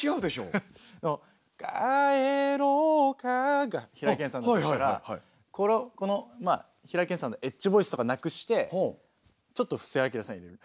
「帰ろうか」が平井堅さんだとしたら平井堅さんのエッジボイスとかなくしてちょっと布施明さんを入れる。